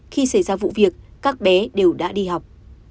khi xảy ra vụ việc các bé đều đã đi học